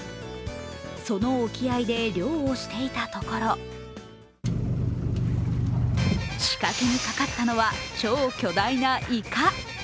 その沖合で漁をしていたところ仕掛けにかかったのは、超巨大ないか。